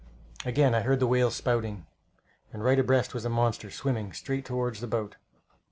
Again I heard the whales' spouting, and right abreast was a monster swimming straight toward the boat.